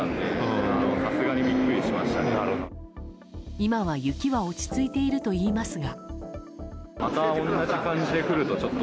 今は、雪は落ち着いているといいますが。